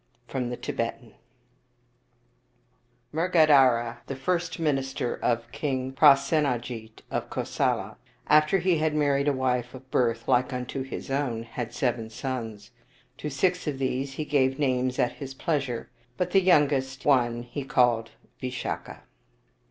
From the Tibetan ]y[ RGADHARA, the first minister of King Prasenajit of Kosala, after he had married a wife of birth like unto his own, had seven sons. To six of these he gave names at his pleasure, but the youngest one he called Visakha.